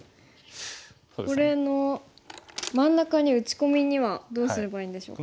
これの真ん中に打ち込みにはどうすればいいんでしょうか。